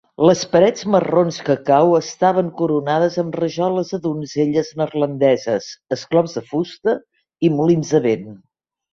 Les parets marrons cacau estaven coronades amb rajoles de donzelles neerlandeses, esclops de fusta i molins de vent.